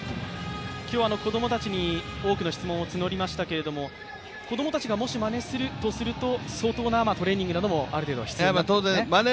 今日、子供たちに多くの質問を募りましたけれども、子供たちがもしまねするとすると相当なトレーニングもある程度必要になってくるんですね？